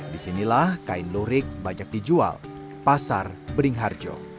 disinilah kain lurik banyak dijual pasar beringharjo